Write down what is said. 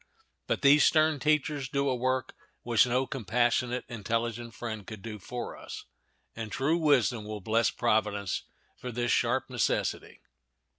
But these stern teachers do a work which no compassionate, intelligent friend could do for us, and true wisdom will bless Providence for this sharp necessity.